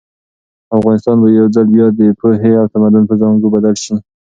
افغانستان به یو ځل بیا د پوهې او تمدن په زانګو بدل شي.